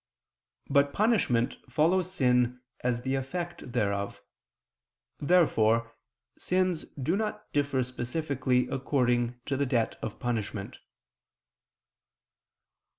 But punishment follows sin as the effect thereof. Therefore sins do not differ specifically according to the debt of punishment.